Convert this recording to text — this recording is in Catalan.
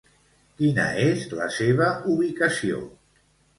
Quina és la seva ubicació?